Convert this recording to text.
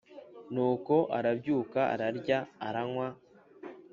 Nuko arabyuka ararya aranywa